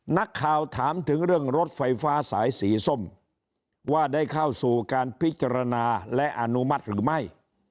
นักข่าวถามถึงเรื่องรถไฟฟ้าสายสีส้มว่าได้เข้าสู่การพิจารณาและอนุมัติหรือไม่